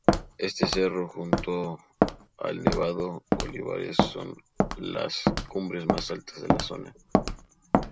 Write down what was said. Este cerro, junto al Nevado Olivares, son las cumbres más altas de la zona.